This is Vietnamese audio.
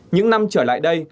những năm trở lại đây